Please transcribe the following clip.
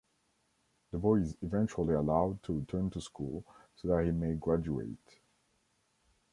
The boy is eventually allowed to return to school so that he may graduate.